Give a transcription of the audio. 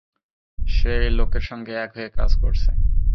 সে এই লোকের সংগে এক হয়ে কাজ করছে।